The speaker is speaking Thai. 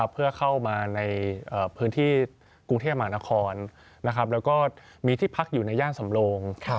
เพื่อเข้ามาในพื้นที่กรุงเทพมหานครแล้วก็มีที่พักอยู่ในย่านสำโลง